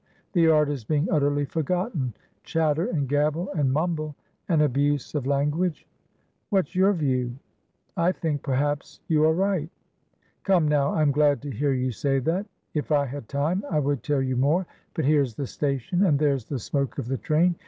The art is being utterly forgotten. Chatter and gabble and mumblean abuse of language. What's your view?" "I think perhaps you are right." "Come, now, I'm glad to hear you say that. If I had time, I would tell you more; but here's the station, and there's the smoke of the train.